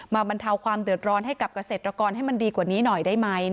บรรเทาความเดือดร้อนให้กับเกษตรกรให้มันดีกว่านี้หน่อยได้ไหม